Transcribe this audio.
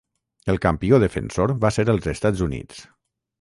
El campió defensor va ser els Estats Units.